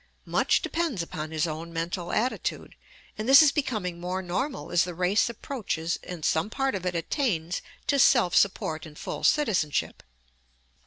Much depends upon his own mental attitude, and this is becoming more normal as the race approaches and some part of it attains to self support and full citizenship.